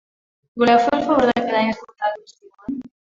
Voleu fer el favor de callar i escoltar el que us diuen?